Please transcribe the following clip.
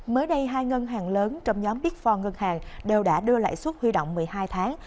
mới đây hai ngân hàng lớn trong nhóm big four ngân hàng đều đã đưa lãi suất huy động một mươi hai tháng